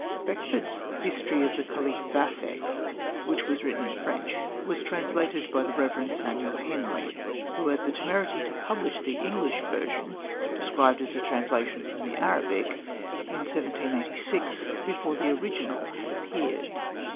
Beckford's History of the Caliph Vathek, which was written in French, was translated by the Rev. Samuel Henley, who had the temerity to publish the English version described as a translation from the Arabic in 1786, before the original had appeared.